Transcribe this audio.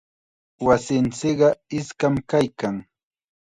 Wasinchikqa iskam kaykan.